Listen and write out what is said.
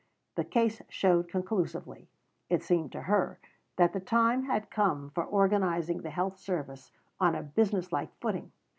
The case showed conclusively, it seemed to her, that the time had come for organizing the health service on a business like footing.